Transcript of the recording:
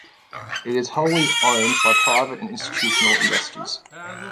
It is wholly owned by private and institutional investors.